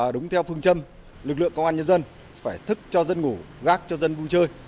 đúng theo phương châm lực lượng công an nhân dân phải thức cho dân ngủ gác cho dân vui chơi